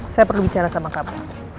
saya perlu bicara sama kami